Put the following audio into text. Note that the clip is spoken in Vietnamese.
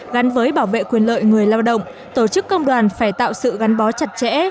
gắn với bảo vệ quyền lợi người lao động tổ chức công đoàn phải tạo sự gắn bó chặt chẽ